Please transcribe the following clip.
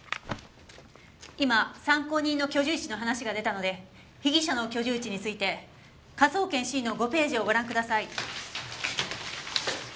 今参考人の居住地の話が出たので被疑者の居住地について科捜研Ｃの５ページをご覧ください。